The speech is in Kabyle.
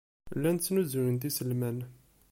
Llant snuzuyent iselman.